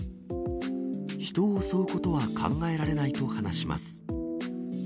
人を襲うことは考えられないと話します。